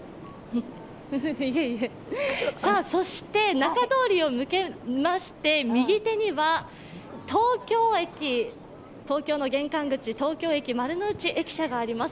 仲通りを抜けまして右手には東京の玄関口、東京駅、丸の内駅舎があります。